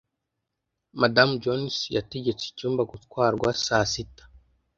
Madamu Jones yategetse icyumba gutwarwa saa sita.